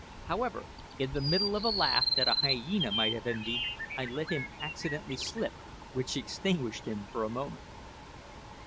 However, in the middle of a laugh that a hyena might have envied, I let him accidentally slip, which extinguished him in a moment.